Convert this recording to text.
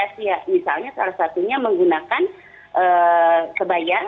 misalnya salah satunya menggunakan kebayar